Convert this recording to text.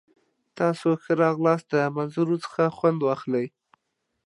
تاسو ښه راغلاست. د منظرو څخه خوند واخلئ!